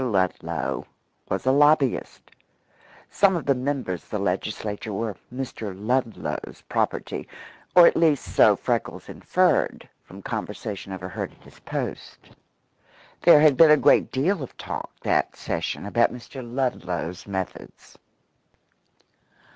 Mr. Ludlow was a lobbyist. Some of the members of the Legislature were Mr. Ludlow's property or at least so Freckles inferred from conversation overheard at his post. There had been a great deal of talk that session about Mr. Ludlow's methods.